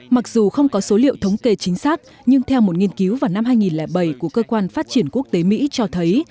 mặc dù không có số liệu thống kê chính xác nhưng theo một nghiên cứu vào năm hai nghìn bảy của cơ quan phát triển quốc tế mỹ cho thấy